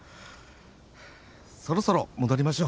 そろそろ戻りましょう。